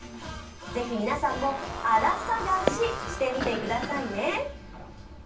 ぜひ皆さんも、アラ探し、してみてくださいね。